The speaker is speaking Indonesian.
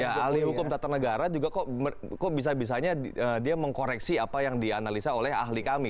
ya ahli hukum tata negara juga kok bisa bisanya dia mengkoreksi apa yang dianalisa oleh ahli kami